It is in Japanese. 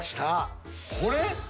これ？